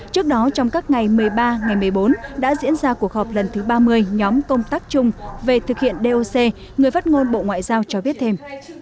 trước đó trong các ngày một mươi ba ngày một mươi bốn đã diễn ra cuộc họp lần thứ ba mươi nhóm công tác chung về thực hiện doc người phát ngôn bộ ngoại giao cho biết thêm